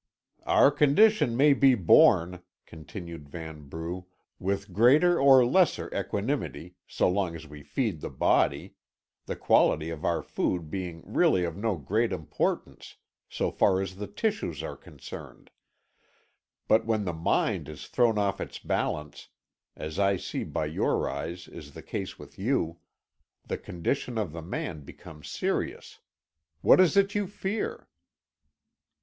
"Our condition may be borne," continued Vanbrugh, "with greater or lesser equanimity, so long as we feed the body the quality of our food being really of no great importance, so far as the tissues are concerned; but when the mind is thrown off its balance, as I see by your eyes is the case with you, the condition of the man becomes serious. What is it you fear?"